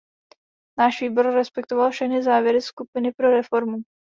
Náš výbor respektoval všechny závěry skupiny pro reformu.